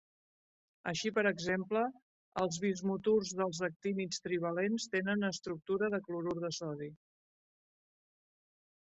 Així, per exemple, els bismuturs dels actínids trivalents tenen estructura de clorur de sodi.